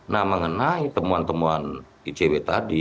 nah mengenai temuan temuan icw tadi